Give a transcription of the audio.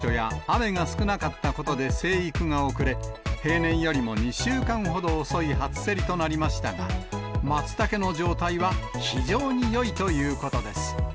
ことしは猛暑や雨が少なかったことで生育が遅れ、平年よりも２週間ほど遅い初競りとなりましたが、マツタケの状態は非常によいということです。